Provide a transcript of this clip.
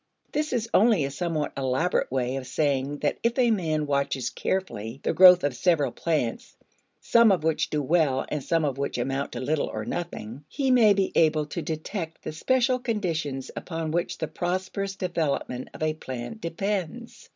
This is only a somewhat elaborate way of saying that if a man watches carefully the growth of several plants, some of which do well and some of which amount to little or nothing, he may be able to detect the special conditions upon which the prosperous development of a plant depends.